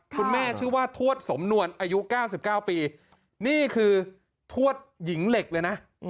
คุณแม่ชื่อว่าทวดสมนวลอายุ๙๙ปีนี่คือทวดหญิงเหล็กเลยนะ